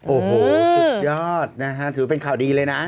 โอ้โหสุดยอดนะฮะถือเป็นข่าวดีเลยนะ